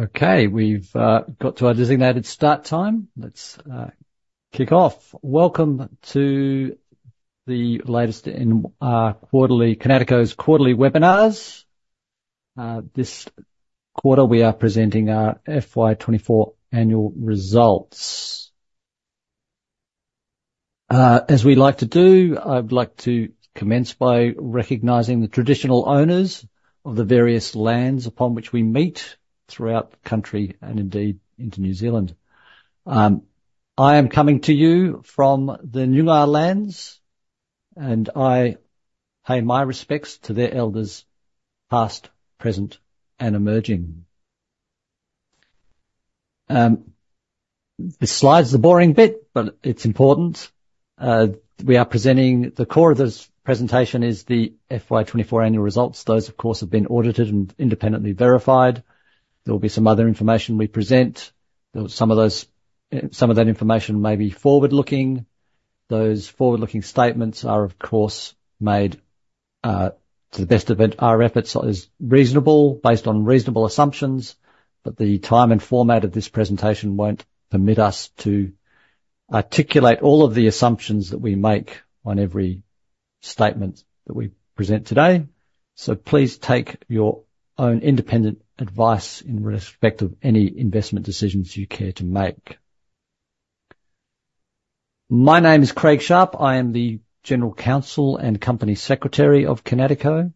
Okay, we've got to our designated start time. Let's kick off. Welcome to the latest in our Kinatico's quarterly webinars. This quarter, we are presenting our FY24 annual results. As we like to do, I'd like to commence by recognising the traditional owners of the various lands upon which we meet throughout the country and indeed into New Zealand. I am coming to you from the Noongar lands, and I pay my respects to their elders past, present, and emerging. This slide is a boring bit, but it's important. We are presenting the core of this presentation is the FY24 annual results. Those, of course, have been audited and independently verified. There will be some other information we present. Some of that information may be forward-looking. Those forward-looking statements are, of course, made to the best of our efforts as reasonable, based on reasonable assumptions. But the time and format of this presentation will not permit us to articulate all of the assumptions that we make on every statement that we present today. Please take your own independent advice in respect of any investment decisions you care to make. My name is Craig Sharp. I am the General Counsel and Company Secretary of Kinatico.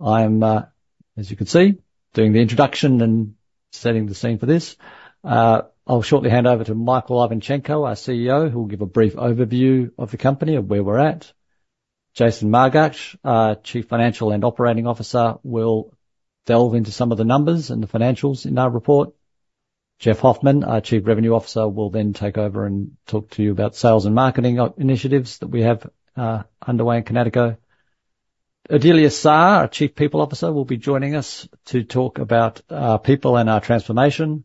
I am, as you can see, doing the introduction and setting the scene for this. I'll shortly hand over to Michael Ivanchenko, our CEO, who will give a brief overview of the company and where we're at. Jason Margach, Chief Financial and Operating Officer, will delve into some of the numbers and the financials in our report. Geoff Hoffmann, our Chief Revenue Officer, will then take over and talk to you about sales and marketing initiatives that we have underway in Kinatico. Odelia Sarre, our Chief People Officer, will be joining us to talk about people and our transformation.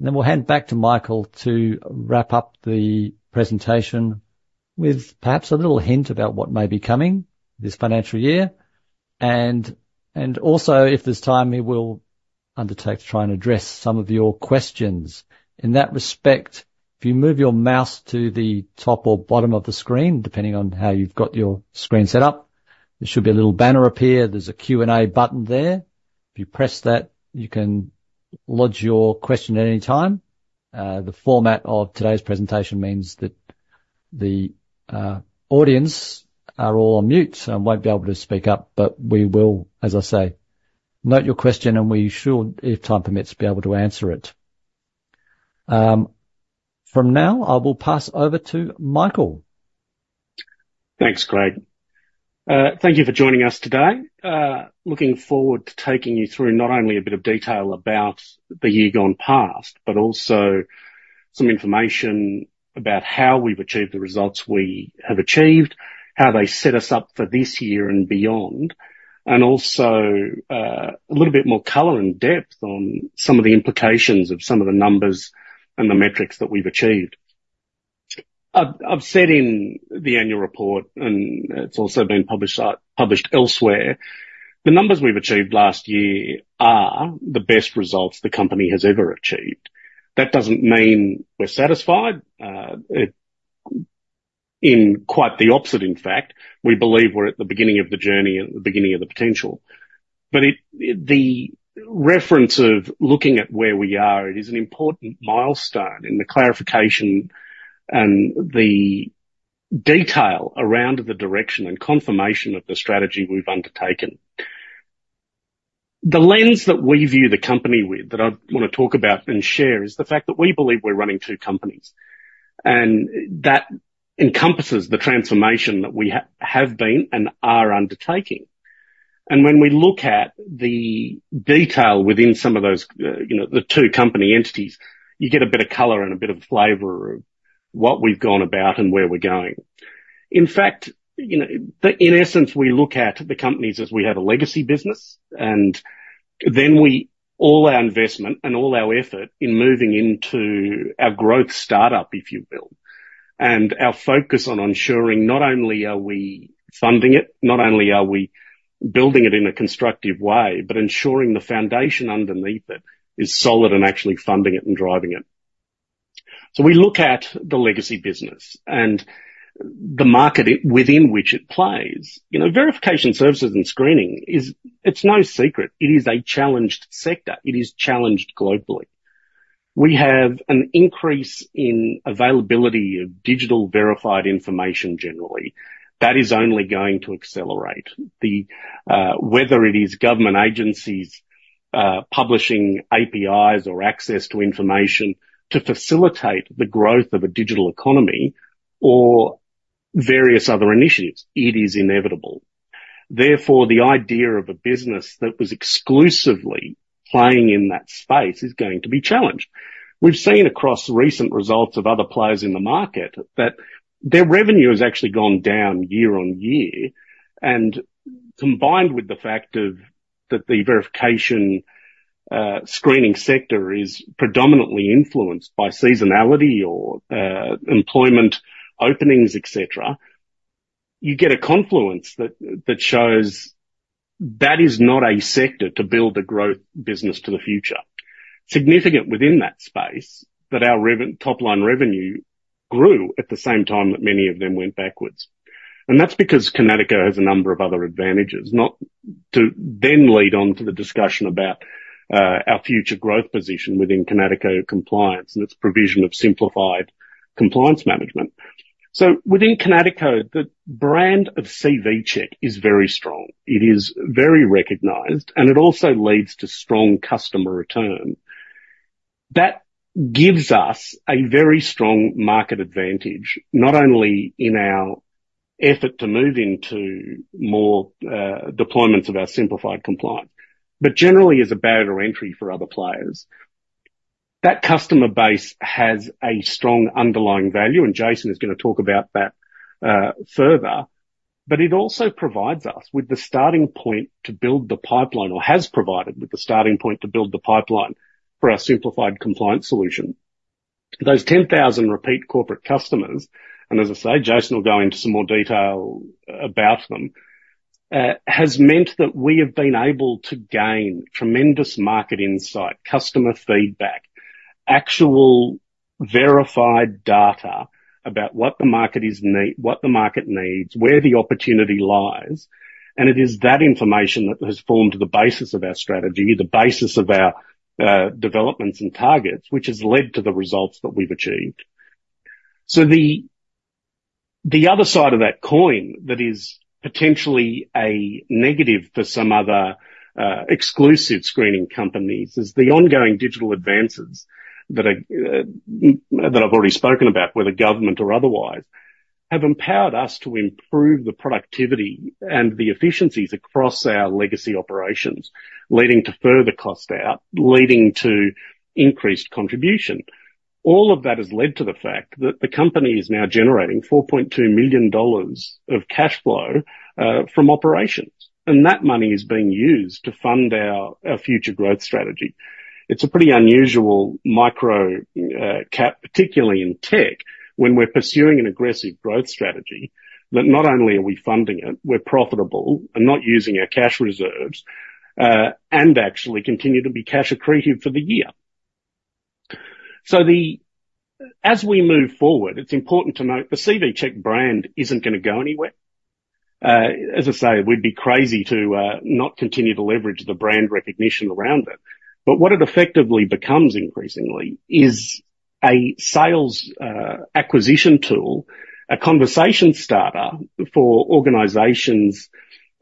Then we will hand back to Michael to wrap up the presentation with perhaps a little hint about what may be coming this financial year. Also, if there is time, he will undertake to try and address some of your questions. In that respect, if you move your mouse to the top or bottom of the screen, depending on how you have your screen set up, there should be a little banner up here. There is a Q&A button there. If you press that, you can lodge your question at any time. The format of today's presentation means that the audience are all on mute and will not be able to speak up, but we will, as I say, note your question, and we should, if time permits, be able to answer it. From now, I will pass over to Michael. Thanks, Craig. Thank you for joining us today. Looking forward to taking you through not only a bit of detail about the year gone past, but also some information about how we've achieved the results we have achieved, how they set us up for this year and beyond, and also a little bit more color and depth on some of the implications of some of the numbers and the metrics that we've achieved. I've said in the annual report, and it's also been published elsewhere, the numbers we've achieved last year are the best results the company has ever achieved. That doesn't mean we're satisfied. Quite the opposite, in fact, we believe we're at the beginning of the journey and at the beginning of the potential. The reference of looking at where we are is an important milestone in the clarification and the detail around the direction and confirmation of the strategy we've undertaken. The lens that we view the company with that I want to talk about and share is the fact that we believe we're running two companies, and that encompasses the transformation that we have been and are undertaking. When we look at the detail within some of those, the two company entities, you get a bit of color and a bit of flavor of what we've gone about and where we're going. In fact, in essence, we look at the company as we have a legacy business, and then we put all our investment and all our effort in moving into our growth startup, if you will, and our focus on ensuring not only are we funding it, not only are we building it in a constructive way, but ensuring the foundation underneath it is solid and actually funding it and driving it. We look at the legacy business and the market within which it plays. Verification services and screening, it's no secret. It is a challenged sector. It is challenged globally. We have an increase in availability of digital verified information generally that is only going to accelerate. Whether it is government agencies publishing APIs or access to information to facilitate the growth of a digital economy or various other initiatives, it is inevitable. Therefore, the idea of a business that was exclusively playing in that space is going to be challenged. We've seen across recent results of other players in the market that their revenue has actually gone down year-on-year. Combined with the fact that the verification screening sector is predominantly influenced by seasonality or employment openings, etc., you get a confluence that shows that is not a sector to build a growth business to the future. Significant within that space that our top-line revenue grew at the same time that many of them went backwards. That's because Kinatico has a number of other advantages, not to then lead on to the discussion about our future growth position within Kinatico Compliance and its provision of simplified compliance management. Within Kinatico, the brand of CV Check is very strong. It is very recognized, and it also leads to strong customer return. That gives us a very strong market advantage, not only in our effort to move into more deployments of our simplified compliance, but generally as a barrier to entry for other players. That customer base has a strong underlying value, and Jason is going to talk about that further, but it also provides us with the starting point to build the pipeline or has provided us with the starting point to build the pipeline for our simplified compliance solution. Those 10,000 repeat corporate customers, and as I say, Jason will go into some more detail about them, has meant that we have been able to gain tremendous market insight, customer feedback, actual verified data about what the market is, what the market needs, where the opportunity lies. It is that information that has formed the basis of our strategy, the basis of our developments and targets, which has led to the results that we've achieved. The other side of that coin that is potentially a negative for some other exclusive screening companies is the ongoing digital advances that I've already spoken about, whether government or otherwise, have empowered us to improve the productivity and the efficiencies across our legacy operations, leading to further cost out, leading to increased contribution. All of that has led to the fact that the company is now generating $4.2 million of cash flow from operations, and that money is being used to fund our future growth strategy. It's a pretty unusual micro cap, particularly in tech, when we're pursuing an aggressive growth strategy that not only are we funding it, we're profitable and not using our cash reserves and actually continue to be cash accretive for the year. As we move forward, it's important to note the CV Check brand isn't going to go anywhere. As I say, we'd be crazy to not continue to leverage the brand recognition around it. What it effectively becomes increasingly is a sales acquisition tool, a conversation starter for organizations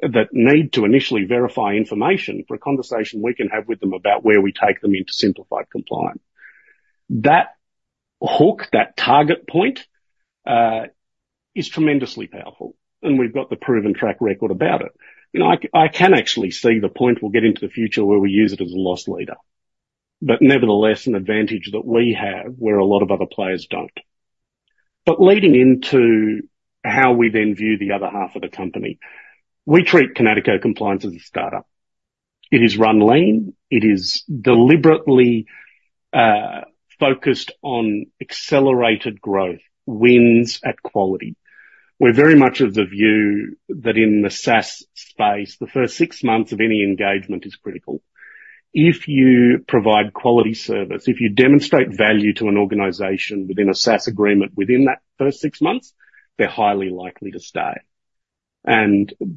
that need to initially verify information for a conversation we can have with them about where we take them into simplified compliance. That hook, that target point, is tremendously powerful, and we've got the proven track record about it. I can actually see the point we'll get into the future where we use it as a loss leader, but nevertheless, an advantage that we have where a lot of other players don't. Leading into how we then view the other half of the company, we treat Kinatico Compliance as a startup. It is run lean. It is deliberately focused on accelerated growth, wins at quality. We're very much of the view that in the SaaS space, the first six months of any engagement is critical. If you provide quality service, if you demonstrate value to an organization within a SaaS agreement within that first six months, they're highly likely to stay.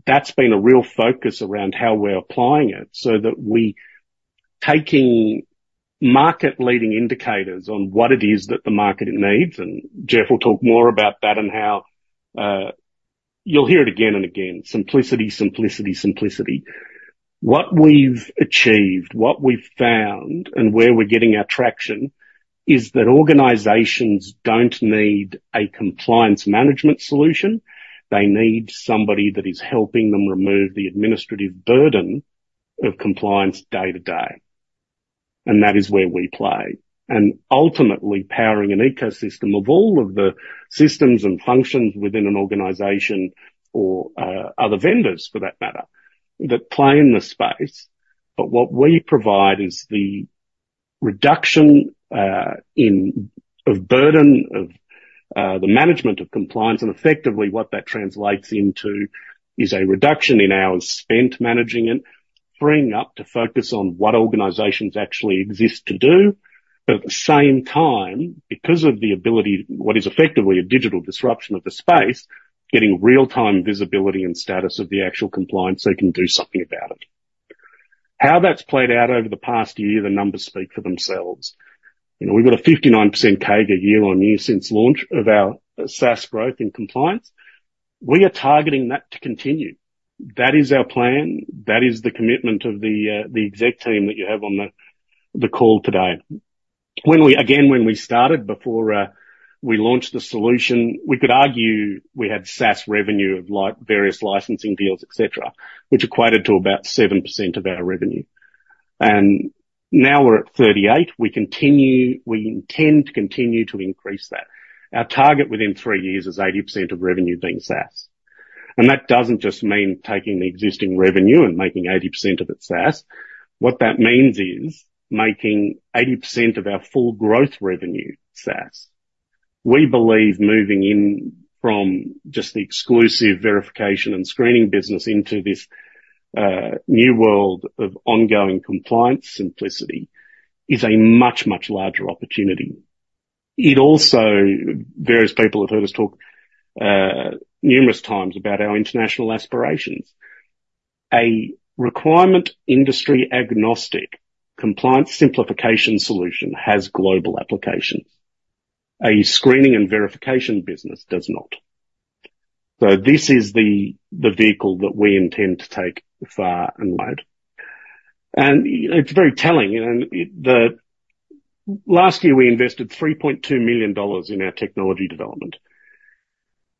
That's been a real focus around how we're applying it so that we're taking market-leading indicators on what it is that the market needs. Geoff will talk more about that and how you'll hear it again and again. Simplicity, simplicity, simplicity. What we've achieved, what we've found, and where we're getting our traction is that organizations don't need a compliance management solution. They need somebody that is helping them remove the administrative burden of compliance day to day. That is where we play. Ultimately, powering an ecosystem of all of the systems and functions within an organization or other vendors, for that matter, that play in the space. What we provide is the reduction of burden of the management of compliance. Effectively, what that translates into is a reduction in hours spent managing it, freeing up to focus on what organizations actually exist to do. At the same time, because of the ability, what is effectively a digital disruption of the space, getting real-time visibility and status of the actual compliance so you can do something about it. How that's played out over the past year, the numbers speak for themselves. We've got a 59% CAGR year on year since launch of our SaaS growth in compliance. We are targeting that to continue. That is our plan. That is the commitment of the exec team that you have on the call today. Again, when we started, before we launched the solution, we could argue we had SaaS revenue of various licensing deals, etc., which equated to about 7% of our revenue. Now we're at 38%. We intend to continue to increase that. Our target within three years is 80% of revenue being SaaS. That does not just mean taking the existing revenue and making 80% of it SaaS. What that means is making 80% of our full growth revenue SaaS. We believe moving in from just the exclusive verification and screening business into this new world of ongoing compliance simplicity is a much, much larger opportunity. Various people have heard us talk numerous times about our international aspirations. A requirement industry agnostic compliance simplification solution has global applications. A screening and verification business does not. This is the vehicle that we intend to take far and wide. It is very telling. Last year, we invested $3.2 million in our technology development,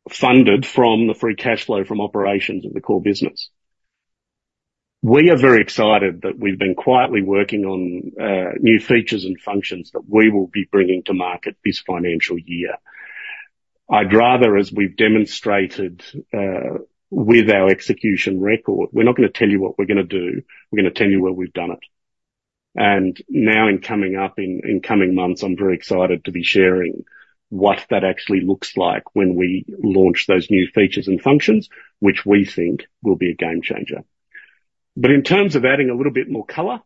funded from the free cash flow from operations of the core business. We are very excited that we have been quietly working on new features and functions that we will be bringing to market this financial year. I'd rather, as we've demonstrated with our execution record, we're not going to tell you what we're going to do. We're going to tell you where we've done it. Now, in coming months, I'm very excited to be sharing what that actually looks like when we launch those new features and functions, which we think will be a game changer. In terms of adding a little bit more color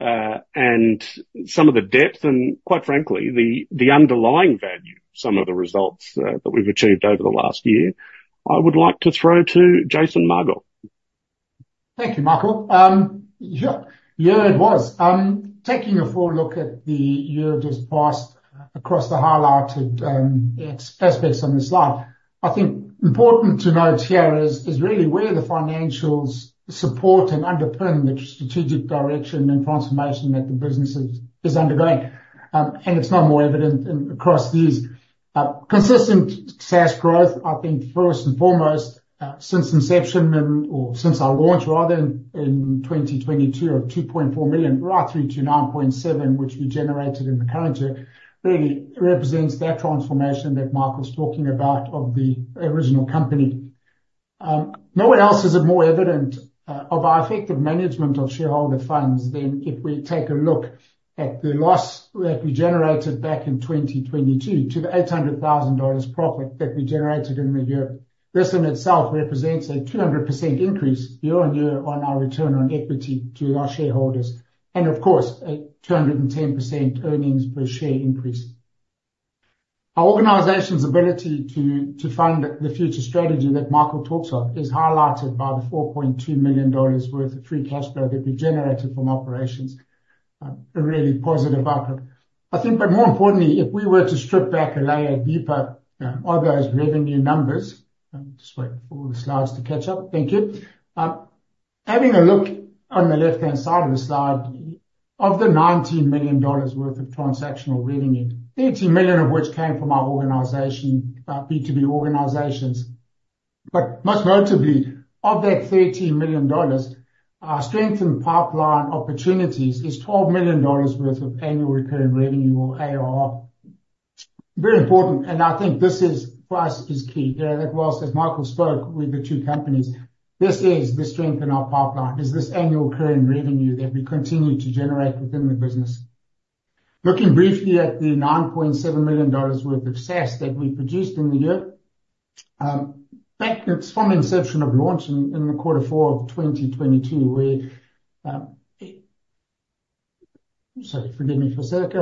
and some of the depth and, quite frankly, the underlying value, some of the results that we've achieved over the last year, I would like to throw to Jason Margach. Thank you, Michael. Yeah, it was. Taking a full look at the year just passed across the highlighted aspects on the slide, I think important to note here is really where the financials support and underpin the strategic direction and transformation that the business is undergoing. It is no more evident across these consistent SaaS growth, I think, first and foremost, since inception or since our launch, rather, in 2022 of $2.4 million, right through to $9.7 million, which we generated in the current year, really represents that transformation that Michael's talking about of the original company. Nowhere else is it more evident of our effective management of shareholder funds than if we take a look at the loss that we generated back in 2022 to the $800,000 profit that we generated in the year. This in itself represents a 200% increase year on year on our return on equity to our shareholders. A 210% earnings per share increase. Our organization's ability to fund the future strategy that Michael talks of is highlighted by the $4.2 million worth of free cash flow that we generated from operations, a really positive outcome. I think, more importantly, if we were to strip back a layer deeper, all those revenue numbers, just wait for all the slides to catch up. Thank you. Having a look on the left-hand side of the slide, of the $19 million worth of transactional revenue, $18 million of which came from our organization, B2B organizations. Most notably, of that $13 million, our strengthened pipeline opportunities is $12 million worth of annual recurring revenue or ARR. Very important. I think this is, for us, is key. Whilst as Michael spoke with the two companies, this is the strength in our pipeline, is this annual recurring revenue that we continue to generate within the business. Looking briefly at the $9.7 million worth of SaaS that we produced in the year, back from inception of launch in the quarter four of 2022, we, sorry, forgive me for a sec.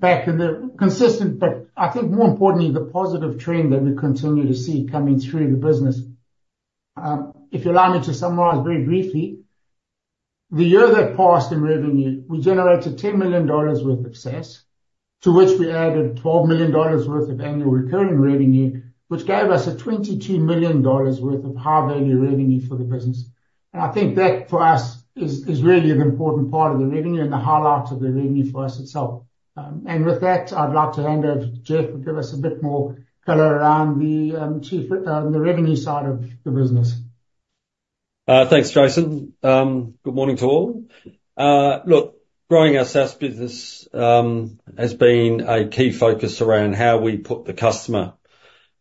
Back in the consistent, but I think more importantly, the positive trend that we continue to see coming through the business. If you allow me to summarise very briefly, the year that passed in revenue, we generated $10 million worth of SaaS, to which we added $12 million worth of annual recurring revenue, which gave us a $22 million worth of high-value revenue for the business. I think that for us is really an important part of the revenue and the highlight of the revenue for us itself. With that, I'd like to hand over to Geoff and give us a bit more color around the revenue side of the business. Thanks, Jason. Good morning to all. Look, growing our SaaS business has been a key focus around how we put the customer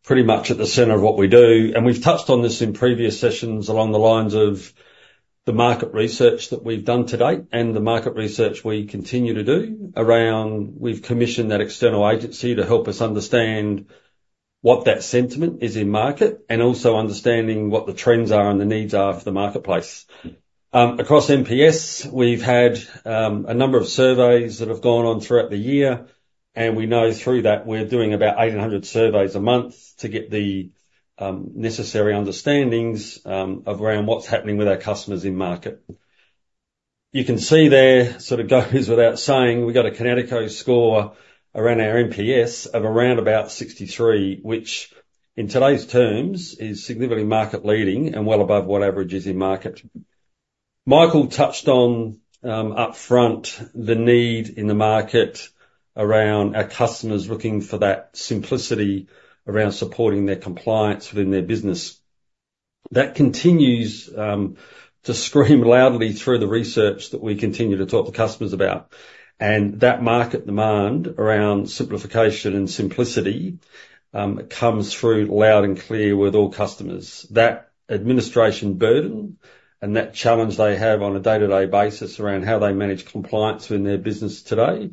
pretty much at the center of what we do. We've touched on this in previous sessions along the lines of the market research that we've done to date and the market research we continue to do around we've commissioned that external agency to help us understand what that sentiment is in market and also understanding what the trends are and the needs are for the marketplace. Across MPS, we've had a number of surveys that have gone on throughout the year. We know through that we're doing about 800 surveys a month to get the necessary understandings around what's happening with our customers in market. You can see there sort of goes without saying, we've got a Kinatico score around our NPS of around about 63, which in today's terms is significantly market leading and well above what average is in market. Michael touched on upfront the need in the market around our customers looking for that simplicity around supporting their compliance within their business. That continues to scream loudly through the research that we continue to talk to customers about. That market demand around simplification and simplicity comes through loud and clear with all customers. That administration burden and that challenge they have on a day-to-day basis around how they manage compliance within their business today,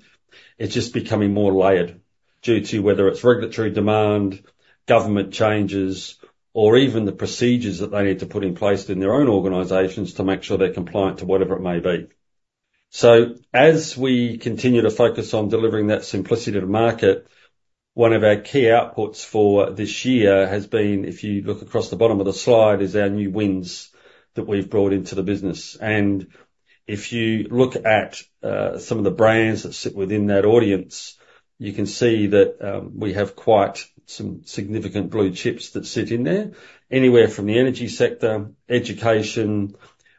it's just becoming more layered due to whether it's regulatory demand, government changes, or even the procedures that they need to put in place in their own organizations to make sure they're compliant to whatever it may be. As we continue to focus on delivering that simplicity to the market, one of our key outputs for this year has been, if you look across the bottom of the slide, our new wins that we've brought into the business. If you look at some of the brands that sit within that audience, you can see that we have quite some significant blue chips that sit in there. Anywhere from the energy sector, education,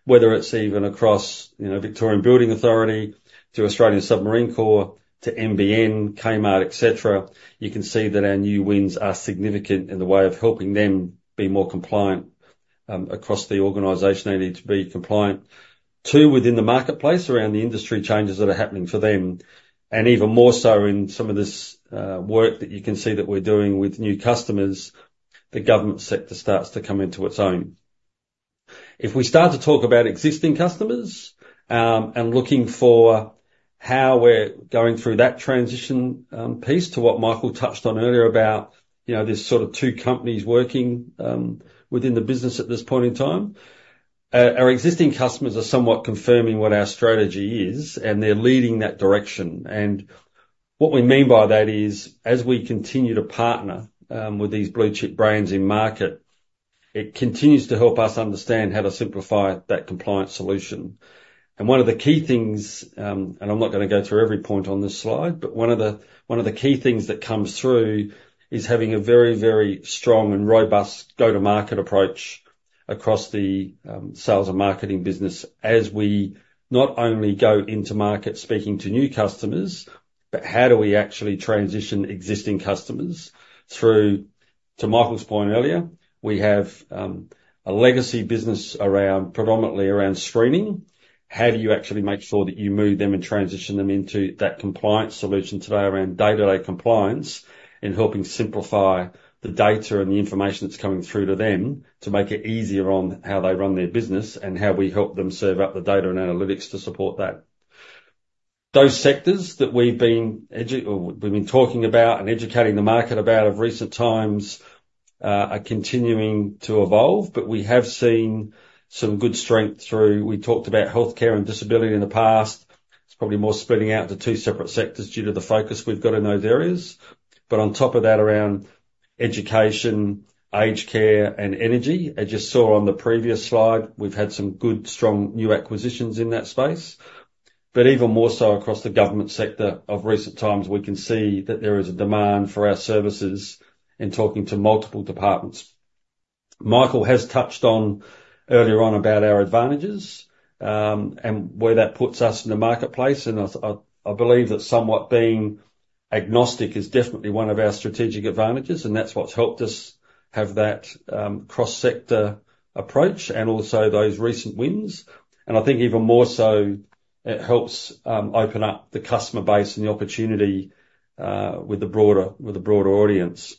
whether it's even across Victorian Building Authority to Australian Submarine Agency to MBN, Kmart, etc., you can see that our new wins are significant in the way of helping them be more compliant across the organization they need to be compliant. To within the marketplace around the industry changes that are happening for them. Even more so in some of this work that you can see that we're doing with new customers, the government sector starts to come into its own. If we start to talk about existing customers and looking for how we're going through that transition piece to what Michael touched on earlier about this sort of two companies working within the business at this point in time, our existing customers are somewhat confirming what our strategy is, and they're leading that direction. What we mean by that is, as we continue to partner with these blue chip brands in market, it continues to help us understand how to simplify that compliance solution. One of the key things, and I'm not going to go through every point on this slide, but one of the key things that comes through is having a very, very strong and robust go-to-market approach across the sales and marketing business as we not only go into market speaking to new customers, but how do we actually transition existing customers through. To Michael's point earlier, we have a legacy business predominantly around screening. How do you actually make sure that you move them and transition them into that compliance solution today around day-to-day compliance and helping simplify the data and the information that's coming through to them to make it easier on how they run their business and how we help them serve up the data and analytics to support that? Those sectors that we've been talking about and educating the market about of recent times are continuing to evolve. We have seen some good strength through, we talked about healthcare and disability in the past. It's probably more spreading out to two separate sectors due to the focus we've got in those areas. Around education, aged care, and energy, I just saw on the previous slide, we've had some good, strong new acquisitions in that space. Even more so across the government sector of recent times, we can see that there is a demand for our services and talking to multiple departments. Michael has touched on earlier on about our advantages and where that puts us in the marketplace. I believe that somewhat being agnostic is definitely one of our strategic advantages, and that's what's helped us have that cross-sector approach and also those recent wins. I think even more so, it helps open up the customer base and the opportunity with the broader audience.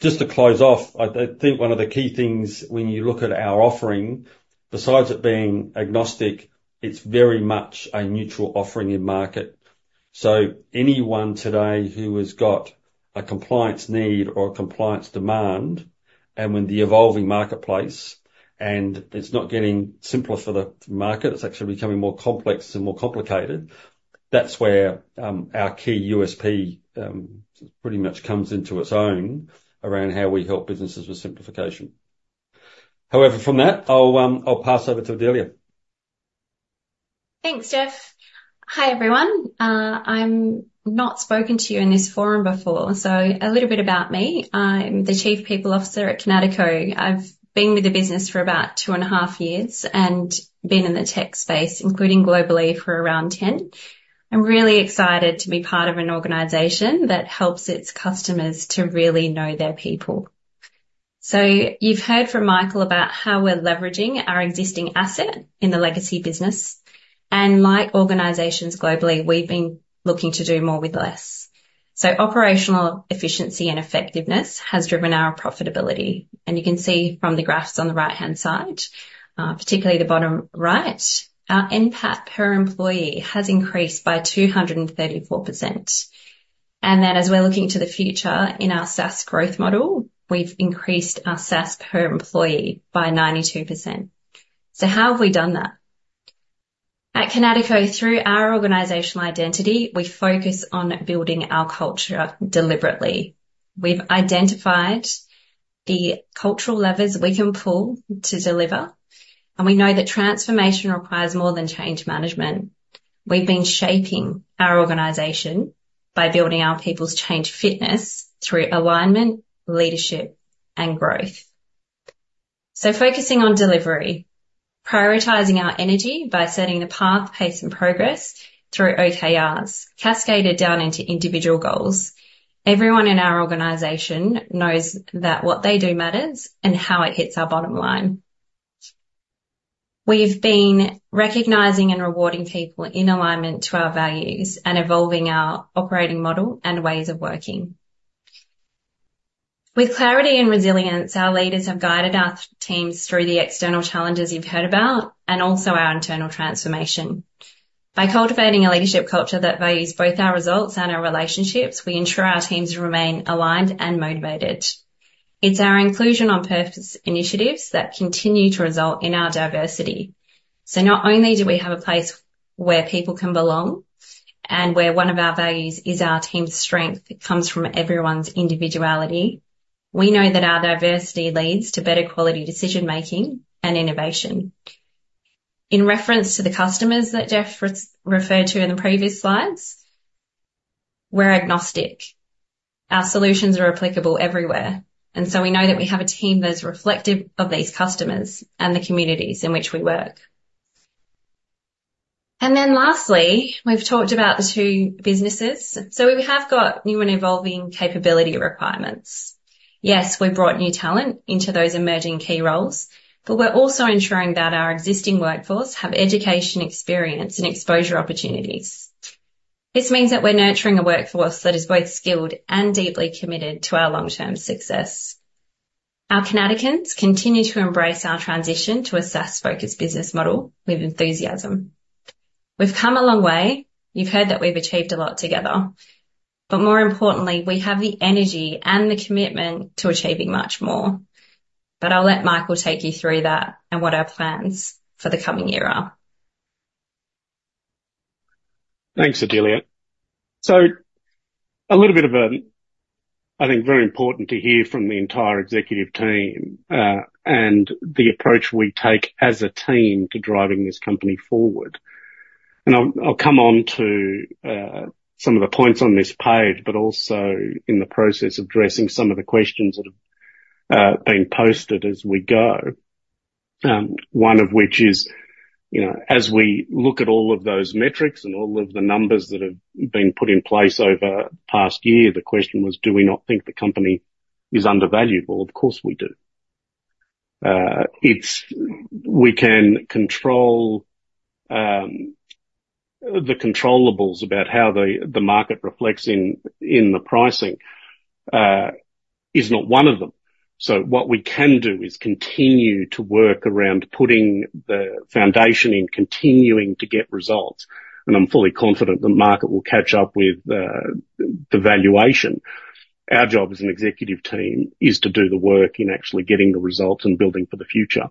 Just to close off, I think one of the key things when you look at our offering, besides it being agnostic, it's very much a neutral offering in market. Anyone today who has got a compliance need or a compliance demand, and with the evolving marketplace, and it's not getting simpler for the market, it's actually becoming more complex and more complicated, that's where our key USP pretty much comes into its own around how we help businesses with simplification. However, from that, I'll pass over to Odelia. Thanks, Geoff. Hi, everyone. I've not spoken to you in this forum before. So a little bit about me. I'm the Chief People Officer at Kinatico. I've been with the business for about two and a half years and been in the tech space, including globally, for around 10. I'm really excited to be part of an organisation that helps its customers to really know their people. So you've heard from Michael about how we're leveraging our existing asset in the legacy business. And like organisations globally, we've been looking to do more with less. So operational efficiency and effectiveness has driven our profitability. You can see from the graphs on the right-hand side, particularly the bottom right, our impact per employee has increased by 234%. And then as we're looking to the future in our SaaS growth model, we've increased our SaaS per employee by 92%. How have we done that? At Kinatico, through our organisational identity, we focus on building our culture deliberately. We've identified the cultural levers we can pull to deliver. We know that transformation requires more than change management. We've been shaping our organisation by building our people's change fitness through alignment, leadership, and growth. Focusing on delivery, prioritising our energy by setting the path, pace, and progress through OKRs cascaded down into individual goals. Everyone in our organisation knows that what they do matters and how it hits our bottom line. We've been recognising and rewarding people in alignment to our values and evolving our operating model and ways of working. With clarity and resilience, our leaders have guided our teams through the external challenges you've heard about and also our internal transformation. By cultivating a leadership culture that values both our results and our relationships, we ensure our teams remain aligned and motivated. It's our inclusion on purpose initiatives that continue to result in our diversity. Not only do we have a place where people can belong and where one of our values is our team's strength comes from everyone's individuality, we know that our diversity leads to better quality decision-making and innovation. In reference to the customers that Geoff referred to in the previous slides, we're agnostic. Our solutions are applicable everywhere. We know that we have a team that is reflective of these customers and the communities in which we work. Lastly, we've talked about the two businesses. We have got new and evolving capability requirements. Yes, we brought new talent into those emerging key roles, but we're also ensuring that our existing workforce have education, experience, and exposure opportunities. This means that we're nurturing a workforce that is both skilled and deeply committed to our long-term success. Our Kinaticans continue to embrace our transition to a SaaS-focused business model with enthusiasm. We've come a long way. You've heard that we've achieved a lot together. More importantly, we have the energy and the commitment to achieving much more. I'll let Michael take you through that and what our plans for the coming year are. Thanks, Odelia. A little bit of a, I think, very important to hear from the entire executive team and the approach we take as a team to driving this company forward. I'll come on to some of the points on this page, but also in the process of addressing some of the questions that have been posted as we go. One of which is, as we look at all of those metrics and all of the numbers that have been put in place over the past year, the question was, do we not think the company is undervaluable? Of course, we do. We can control the controllable, but how the market reflects in the pricing is not one of them. What we can do is continue to work around putting the foundation in, continuing to get results. I'm fully confident the market will catch up with the valuation. Our job as an executive team is to do the work in actually getting the results and building for the future.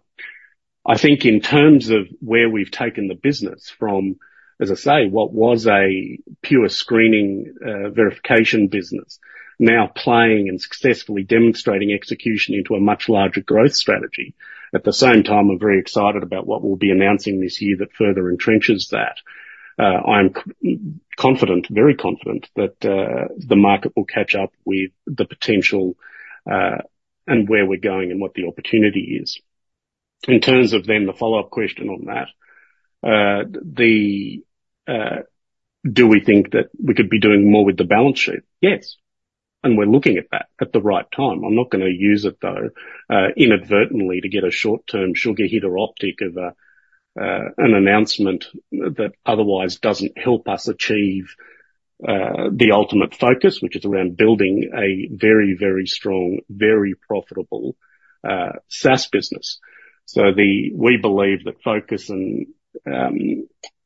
I think in terms of where we've taken the business from, as I say, what was a pure screening verification business, now playing and successfully demonstrating execution into a much larger growth strategy. At the same time, I'm very excited about what we'll be announcing this year that further entrenches that. I'm confident, very confident that the market will catch up with the potential and where we're going and what the opportunity is. In terms of then the follow-up question on that, do we think that we could be doing more with the balance sheet? Yes. We're looking at that at the right time. I'm not going to use it, though, inadvertently to get a short-term sugar-hitter optic of an announcement that otherwise doesn't help us achieve the ultimate focus, which is around building a very, very strong, very profitable SaaS business. We believe that focus and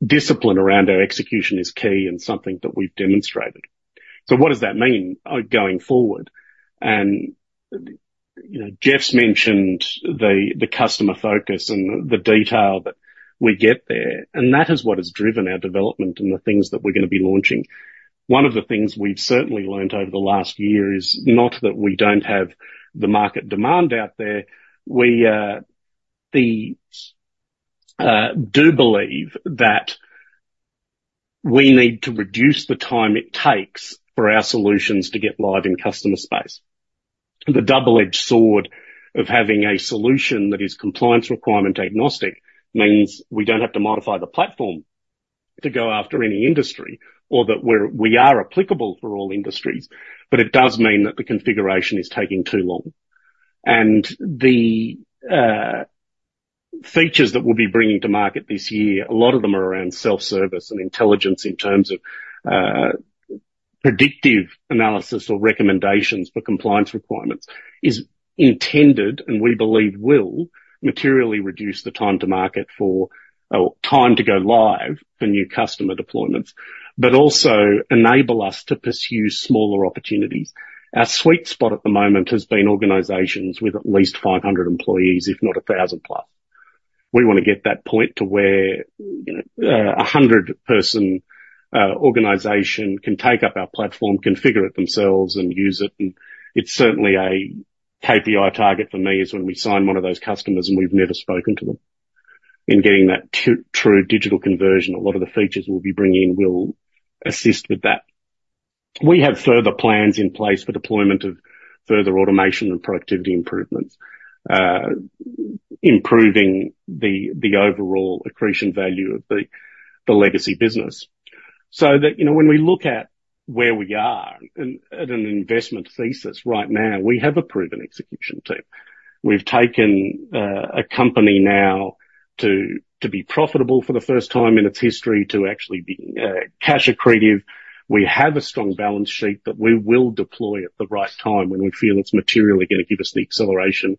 discipline around our execution is key and something that we've demonstrated. What does that mean going forward? Geoff's mentioned the customer focus and the detail that we get there. That is what has driven our development and the things that we're going to be launching. One of the things we've certainly learned over the last year is not that we don't have the market demand out there. We do believe that we need to reduce the time it takes for our solutions to get live in customer space. The double-edged sword of having a solution that is compliance requirement agnostic means we don't have to modify the platform to go after any industry or that we are applicable for all industries, but it does mean that the configuration is taking too long. The features that we'll be bringing to market this year, a lot of them are around self-service and intelligence in terms of predictive analysis or recommendations for compliance requirements, is intended and we believe will materially reduce the time to market for time to go live for new customer deployments, but also enable us to pursue smaller opportunities. Our sweet spot at the moment has been organisations with at least 500 employees, if not 1,000 plus. We want to get that point to where a 100-person organisation can take up our platform, configure it themselves and use it. It is certainly a KPI target for me is when we sign one of those customers and we've never spoken to them in getting that true digital conversion. A lot of the features we'll be bringing in will assist with that. We have further plans in place for deployment of further automation and productivity improvements, improving the overall accretion value of the legacy business. When we look at where we are at an investment thesis right now, we have a proven execution team. We've taken a company now to be profitable for the first time in its history to actually be cash accretive. We have a strong balance sheet that we will deploy at the right time when we feel it's materially going to give us the acceleration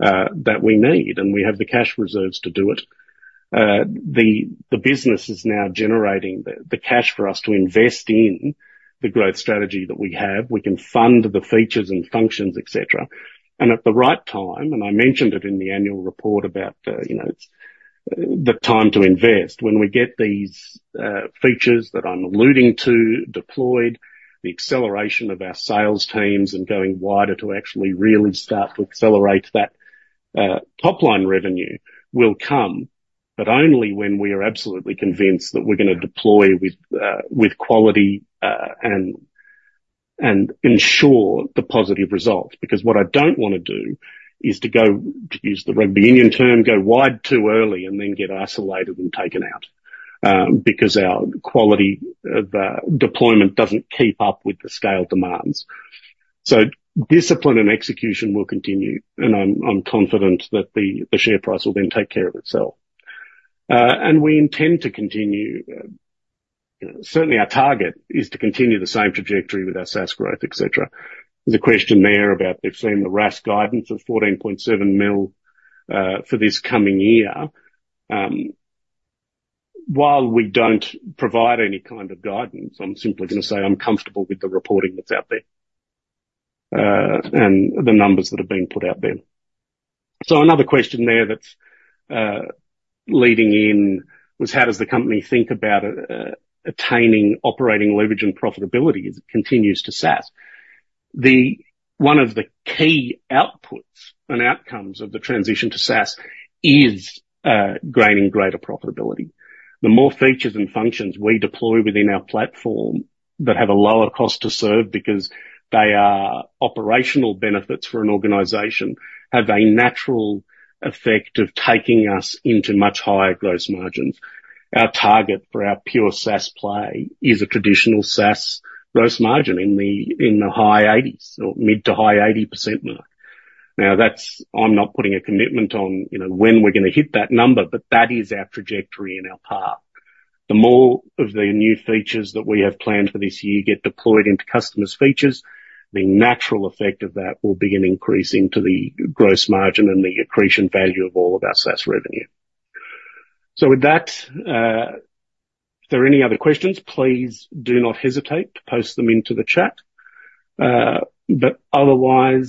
that we need. We have the cash reserves to do it. The business is now generating the cash for us to invest in the growth strategy that we have. We can fund the features and functions, etc. At the right time, and I mentioned it in the annual report about the time to invest, when we get these features that I'm alluding to deployed, the acceleration of our sales teams and going wider to actually really start to accelerate that top-line revenue will come, but only when we are absolutely convinced that we're going to deploy with quality and ensure the positive results. Because what I don't want to do is to go, to use the rugby union term, go wide too early and then get isolated and taken out because our quality of deployment doesn't keep up with the scale demands. Discipline and execution will continue. I'm confident that the share price will then take care of itself. We intend to continue. Certainly, our target is to continue the same trajectory with our SaaS growth, etc. There's a question there about if they've seen the RAS guidance of $14.7 million for this coming year. While we don't provide any kind of guidance, I'm simply going to say I'm comfortable with the reporting that's out there and the numbers that have been put out there. Another question there that's leading in was how does the company think about attaining operating leverage and profitability as it continues to SaaS? One of the key outputs and outcomes of the transition to SaaS is gaining greater profitability. The more features and functions we deploy within our platform that have a lower cost to serve because they are operational benefits for an organization have a natural effect of taking us into much higher gross margins. Our target for our pure SaaS play is a traditional SaaS gross margin in the high 80s or mid to high 80% mark. Now, I'm not putting a commitment on when we're going to hit that number, but that is our trajectory and our path. The more of the new features that we have planned for this year get deployed into customers' features, the natural effect of that will begin increasing to the gross margin and the accretion value of all of our SaaS revenue. If there are any other questions, please do not hesitate to post them into the chat. Otherwise, I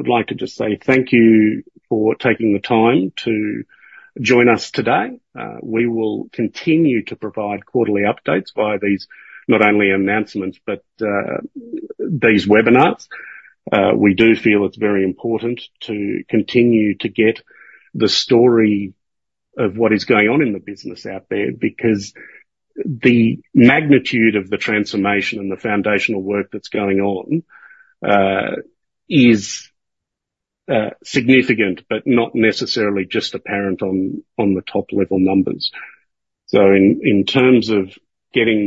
would like to just say thank you for taking the time to join us today. We will continue to provide quarterly updates via these not only announcements, but these webinars. We do feel it's very important to continue to get the story of what is going on in the business out there because the magnitude of the transformation and the foundational work that's going on is significant, but not necessarily just apparent on the top-level numbers. In terms of getting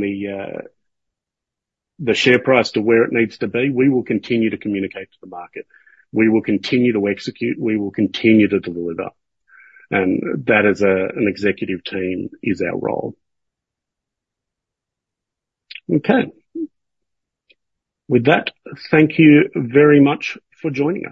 the share price to where it needs to be, we will continue to communicate to the market. We will continue to execute. We will continue to deliver. That as an executive team is our role. Okay. With that, thank you very much for joining us.